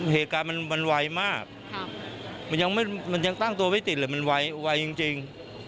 เหตุการณ์มันไวมากมันยังตั้งตัวไม่ติดเลยมันไวจริง